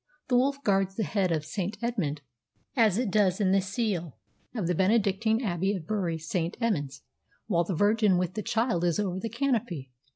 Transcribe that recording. "The wolf guards the head of St. Edmund as it does in the seal of the Benedictine Abbey of Bury St. Edmunds, while the Virgin with the Child is over the canopy.